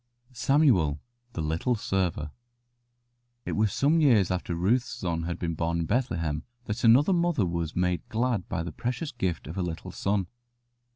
SAMUEL, THE LITTLE SERVER It was some years after Ruth's son had been born in Bethlehem that another mother was made glad by the precious gift of a little son.